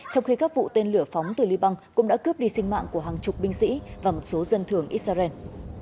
trong khi các vụ tên lửa phóng từ liban cũng đã cướp đi sinh mạng của hàng chục binh sĩ và một số dân thường israel